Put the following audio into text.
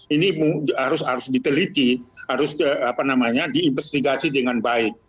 ini harus diteliti harus diinvestigasi dengan baik